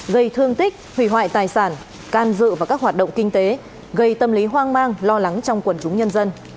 gây thương tích hủy hoại tài sản can dự vào các hoạt động kinh tế gây tâm lý hoang mang lo lắng trong quần chúng nhân dân